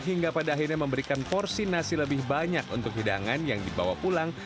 hingga pada akhirnya memberikan porsi nasi lebih banyak untuk hidangan yang dibawa pulang